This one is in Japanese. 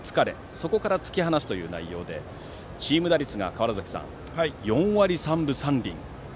そこから突き放すという内容でチーム打率が４割３分３厘。